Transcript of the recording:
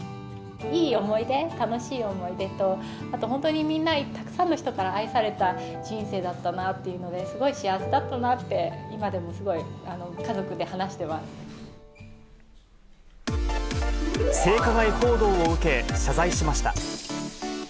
いい思い出、楽しい思い出と、あと本当にみんなに、たくさんの人から愛された人生だったなっていうので、すごい幸せだったなって、今でもすごい家族で話してま性加害報道を受け、謝罪しました。